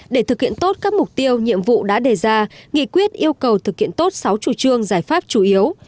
để thực hiện tốt các mục tiêu nhiệm vụ đã đề ra nghị quyết yêu cầu thực hiện tốt sáu chủ trương giải pháp chủ yếu